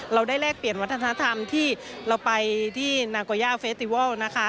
เราได้แลกเปลี่ยนวัฒนธรรมที่เราไปที่นาโกย่าเฟสติวัลนะคะ